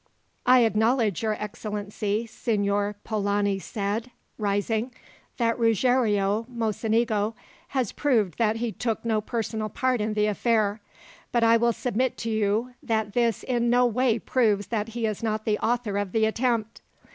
"I acknowledge, your excellency," Signor Polani said, rising, "that Ruggiero Mocenigo has proved that he took no personal part in the affair, but I will submit to you that this in no way proves that he is not the author of the attempt.